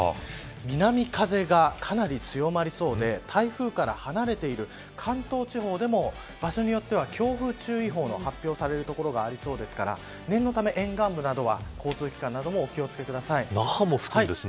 南風が、かなり強まりそうで台風から離れている関東地方でも場所によっては強風注意報の発表される所がありそうですから念のため沿岸部などは交通機関などもお気を付けください。